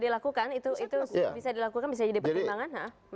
dilakukan itu bisa dilakukan bisa jadi pertimbangan